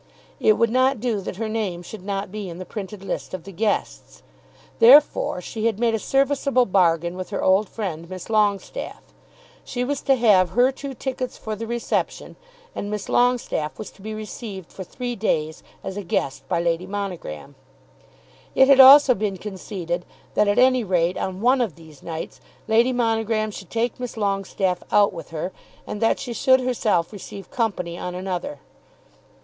It would not do that her name should not be in the printed list of the guests. Therefore she had made a serviceable bargain with her old friend Miss Longestaffe. She was to have her two tickets for the reception, and Miss Longestaffe was to be received for three days as a guest by Lady Monogram. It had also been conceded that at any rate on one of these nights Lady Monogram should take Miss Longestaffe out with her, and that she should herself receive company on another.